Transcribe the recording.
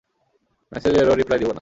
ম্যাসেজেরও reply দিব না।